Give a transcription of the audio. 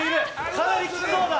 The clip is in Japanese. かなりきつそうだ。